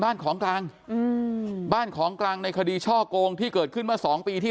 บ้านของกลางบ้านของกลางในคดีช่อกงที่เกิดขึ้นมา๒ปีที่